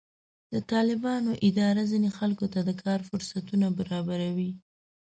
د طالبانو اداره ځینې خلکو ته د کار فرصتونه برابروي.